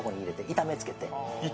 痛めつけて？